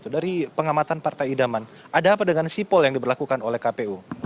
dari pengamatan partai idaman ada apa dengan sipol yang diberlakukan oleh kpu